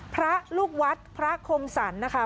พระลูกวัดพระคมสรรนะคะ